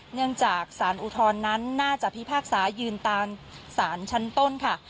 เนื่องจากสารอุทธรณ์นั้นน่าจะพิพากษายืนตามสารชั้นต้นค่ะ